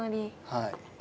はい。